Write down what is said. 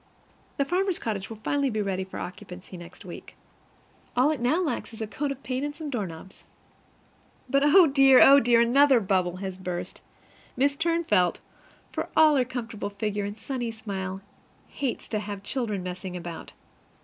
The farmer's cottage will finally be ready for occupancy next week. All it now lacks is a coat of paint and some doorknobs. But, oh dear! oh dear! another bubble has burst! Mrs Turnfelt, for all her comfortable figure and sunny smile, hates to have children messing about.